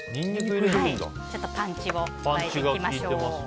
ちょっとパンチを加えていきましょう。